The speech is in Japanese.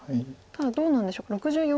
ただどうなんでしょう。